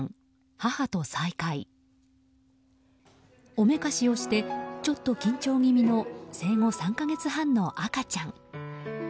おめかしをしてちょっと緊張気味の生後３か月半の赤ちゃん。